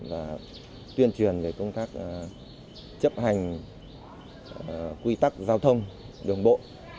và tuyên truyền về công tác chấp hành quy tắc giao thông đường bộ